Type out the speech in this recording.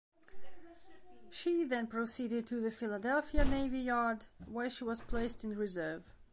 She then proceeded to the Philadelphia Navy Yard where she was placed in reserve.